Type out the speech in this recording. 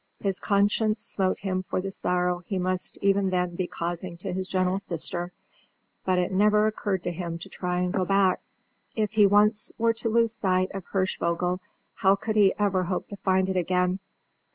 His conscience smote him for the sorrow he must be even then causing to his gentle sister; but it never occurred to him to try and go back. If he once were to lose sight of Hirschvogel how could he ever hope to find it again?